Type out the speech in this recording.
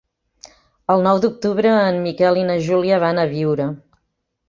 El nou d'octubre en Miquel i na Júlia van a Biure.